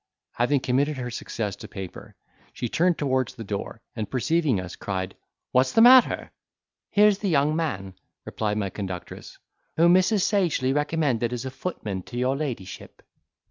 Having committed her success to paper, she turned towards the door, and perceiving us, cried, "What's the matter?" "Here's the young man," replied my conductress, "whom Mrs. Sagely recommended as a footman to your ladyship."